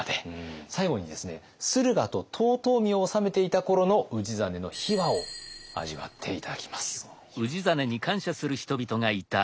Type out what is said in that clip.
最後にですね駿河と遠江を治めていた頃の氏真の秘話を味わって頂きます。